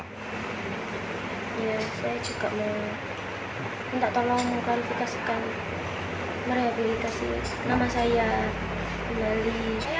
saya juga mau minta tolong mengklarifikasikan merehabilitasi nama saya kembali